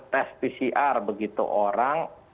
tes pcr begitu orang